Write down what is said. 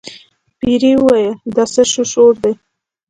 پیري وویل چې دا څه شور دی.